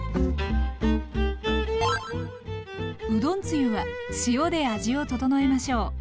うどんつゆは塩で味を調えましょう。